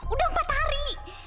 udah empat hari